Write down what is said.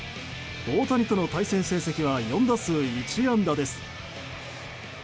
大谷との対戦成績は４打数１安打です。